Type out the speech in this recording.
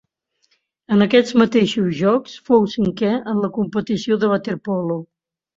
En aquests mateixos Jocs fou cinquè en la competició de waterpolo.